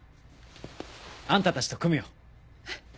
あんたたちと組むよ。